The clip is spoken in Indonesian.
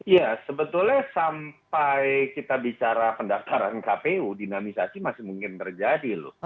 ya sebetulnya sampai kita bicara pendaftaran kpu dinamisasi masih mungkin terjadi loh